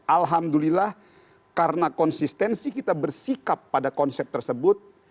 alhamdulillah karena konsistensi kita bersikap pada konsep tersebut